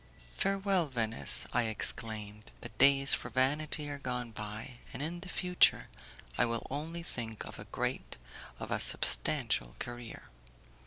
Farewell, Venice, I exclaimed; the days for vanity are gone by, and in the future I will only think of a great, of a substantial career!